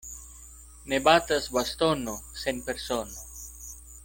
Ne batas bastono sen persono.